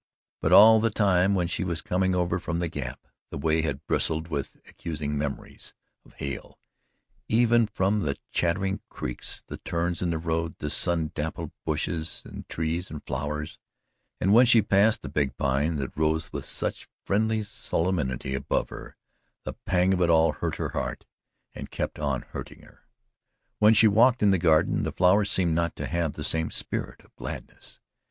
But all the time when she was coming over from the Gap, the way had bristled with accusing memories of Hale even from the chattering creeks, the turns in the road, the sun dappled bushes and trees and flowers; and when she passed the big Pine that rose with such friendly solemnity above her, the pang of it all hurt her heart and kept on hurting her. When she walked in the garden, the flowers seemed not to have the same spirit of gladness.